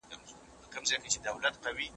د انسان روح د تلپاتې ژوند په تمه دی.